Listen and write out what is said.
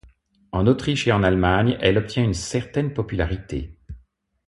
En Autriche et en Allemagne, elle obtient une certaine popularité.